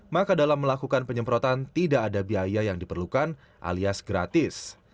maka dalam melakukan penyemprotan tidak ada biaya yang diperlukan alias gratis